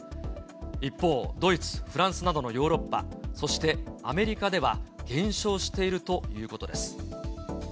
一方、ドイツ、フランスなどのヨーロッパ、そしてアメリカでは、減少しているということです。